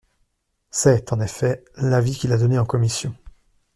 C’est, en effet, l’avis qu’il a donné en commission.